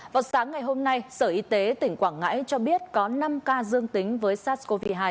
vào sáng ngày hôm nay sở y tế tỉnh quảng ngãi cho biết có năm ca dương tính với sars cov hai